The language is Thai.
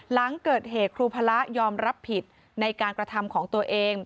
หลังเกิดเหตุครูพระยอมรับผิดในการกระทำของตัวเอง